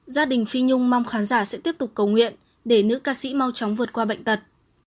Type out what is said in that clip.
gia đình phi nhung mong khán giả sẽ tiếp tục cầu nguyện để nữ ca sĩ mau chóng vượt qua bệnh tật